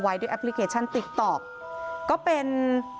มีแต่เสียงตุ๊กแก่กลางคืนไม่กล้าเข้าห้องน้ำด้วยซ้ำ